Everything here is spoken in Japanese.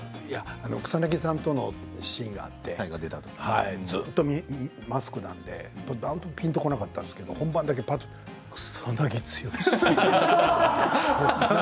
草なぎさんとのシーンがあってずっとマスクなんでピンとこなかったんですけれど本番だけぱっと取ると草なぎ剛って。